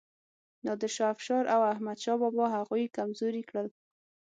نادر شاه افشار او احمد شاه بابا هغوی کمزوري کړل.